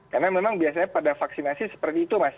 karena memang biasanya pada vaksinasi seperti itu mas